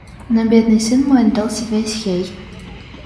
Но бедный сын мой отдался весь ей.